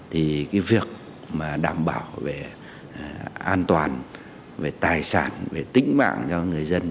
thì cái việc mà đảm bảo về an toàn về tài sản về tính mạng cho người dân